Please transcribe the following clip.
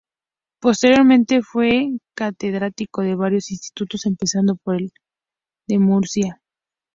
Posteriormente fue catedrático de varios institutos, empezando por el de Murcia.